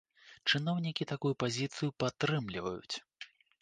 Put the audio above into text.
Чыноўнікі такую пазіцыю падтрымліваюць.